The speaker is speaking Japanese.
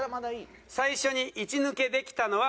最初にいち抜けできたのは。